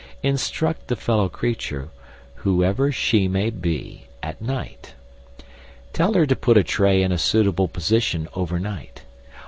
Instruct the fellow creature, whoever she may be, at night. Tell her to put a tray in a suitable position over night.